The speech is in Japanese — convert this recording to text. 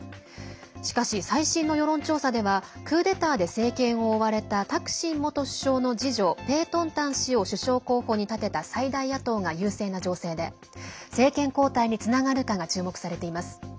しかし、最新の世論調査ではクーデターで政権を追われたタクシン元首相の次女ペートンタン氏を首相候補に立てた最大野党が優勢な情勢で政権交代につながるかが注目されています。